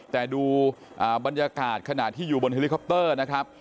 แต่ดูบรรยากาศขณะที่อยู่บนเฮลิคอปเตอร์นะครับ